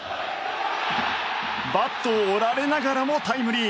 バットを折られながらもタイムリー。